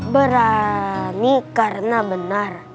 berani karena benar